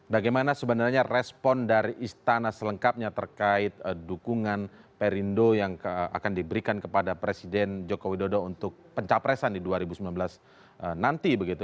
bagaimana sebenarnya respon dari istana selengkapnya terkait dukungan perindo yang akan diberikan kepada presiden joko widodo untuk pencapresan di dua ribu sembilan belas nanti begitu